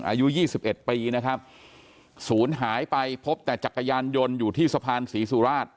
อายุยี่สิบเอ็ดปีนะครับศูนย์หายไปพบแต่จักรยานยนต์อยู่ที่สะพานศรีสุราช